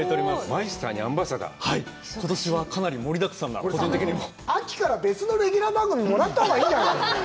マイスターにアンバサダーはい今年はかなり盛りだくさんな個人的にも秋から別のレギュラー番組もらったほうがいいんじゃない？